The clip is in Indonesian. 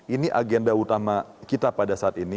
ini agenda utama kita pada saat ini